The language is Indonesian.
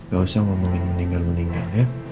gak usah ngomongin meninggal mendingan ya